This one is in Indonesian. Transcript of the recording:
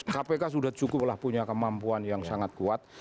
kpk sudah cukup lah punya kemampuan yang sangat kuat